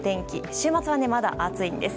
週末は、まだ暑いです。